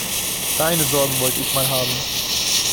Deine Sorgen wollte ich mal haben.